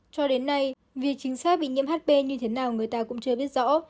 cho đến nay vì chính xác bị nhiễm hp như thế nào người ta cũng chưa biết rõ